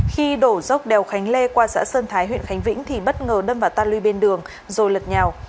khi đổ dốc đèo khánh lê qua xã sơn thái huyện khánh vĩnh thì bất ngờ đâm vào tan lưu bên đường rồi lật nhào